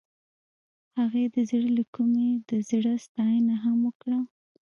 هغې د زړه له کومې د زړه ستاینه هم وکړه.